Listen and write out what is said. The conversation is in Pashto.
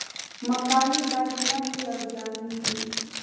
مقالې باید لنډې او جامع وي.